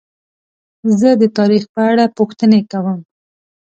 زه د تاریخ په اړه پوښتنې کوم.